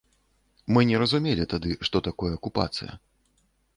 Мы не разумелі тады, што такое акупацыя.